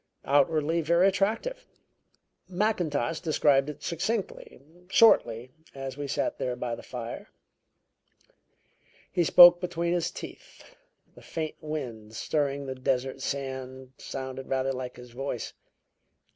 Outwardly very attractive. Mackintosh described it succinctly, shortly, as we sat there by the fire. He spoke between his teeth the faint wind stirring the desert sand sounded rather like his voice."